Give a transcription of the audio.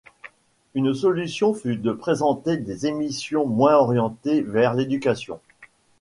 Une solution fut de présenter des émissions moins orientées vers l'éducation.